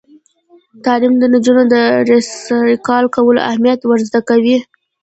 تعلیم نجونو ته د ریسایکل کولو اهمیت ور زده کوي.